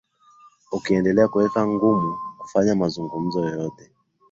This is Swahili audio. ukiendelea kuweka ngumu kufanya mazungumzo yoyote